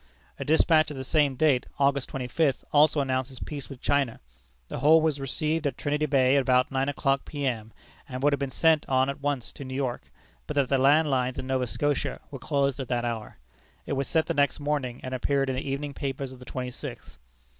A despatch of the same date, August twenty fifth, also announces peace with China. The whole was received at Trinity Bay about nine o'clock P.M., and would have been sent on at once to New York, but that the land lines in Nova Scotia were closed at that hour. It was sent the next morning, and appeared in the evening papers of the twenty sixth.